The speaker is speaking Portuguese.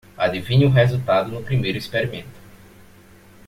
Adivinha o resultado no primeiro experimento.